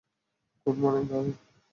Good morning darling.